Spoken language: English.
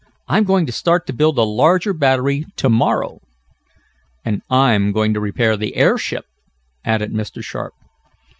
"I'm going to start to build a larger battery to morrow." "And I'm going to repair the airship," added Mr. Sharp.